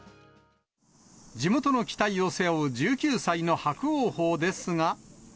地元の期待を背負う１９歳の伯桜鵬ですが。